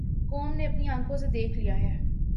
قوم نے اپنی آنکھوں سے دیکھ لیا ہے۔